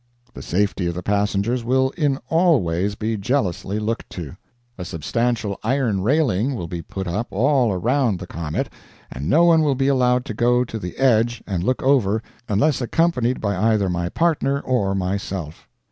The safety of the passengers will in all ways be jealously looked to. A substantial iron railing will be put up all around the comet, and no one will be allowed to go to the edge and look over unless accompanied by either my partner or myself.